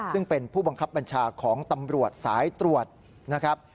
ซึ่งเป็นผู้บังคับบัญชาของตำรวจสายตรวจนะครับ